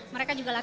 mereka juga latih